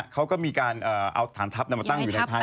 เขาก็มีการเอาฐานทัพมาตั้งอยู่ในไทย